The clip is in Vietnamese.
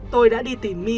tôi đã đi tìm my